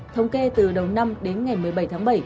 thống kê từ đầu năm đến ngày một mươi bảy tháng bảy